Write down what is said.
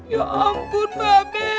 ya ampun mbak b